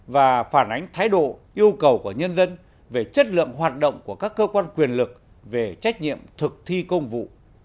và phản ánh thái độ yêu cầu của nhân dân về chất lượng hoạt động của các cơ quan quyền lực về trách nhiệm thực thi công vụ